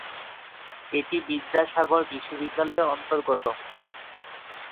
এটি বিদ্যাসাগর বিশ্ববিদ্যালয়ের অন্তর্গত।